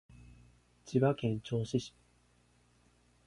千葉県銚子市